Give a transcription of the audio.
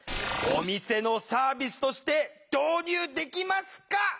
お店のサービスとして導入できますか？